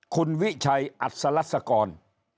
คุณวิชัยอัตษรัศกร